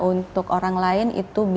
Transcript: untuk orang lain